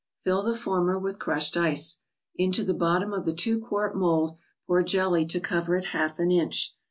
Fill the former with crushed ice. Into the bottom of the two quart mold pour jelly to cover it half an inch.